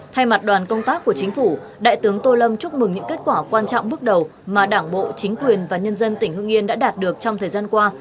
thay mặt đoàn công tác của chính phủ đại tướng tô lâm chúc mừng những kết quả quan trọng bước đầu mà đảng bộ chính quyền và nhân dân tỉnh hương yên đã đạt được trong thời gian qua